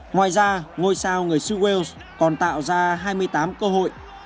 ngoài ra ngôi sao người sue wales còn tạo ra hai mươi tám cơ hội